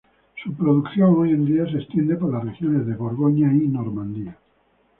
Su producción hoy en día se extiende por las regiones de Borgoña y Normandía.